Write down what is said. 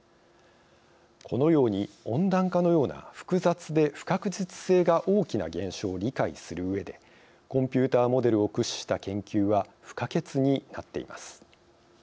このように温暖化のような複雑で不確実性が大きな現象を理解するうえでコンピューターモデルを駆使した研究は不可欠になっています。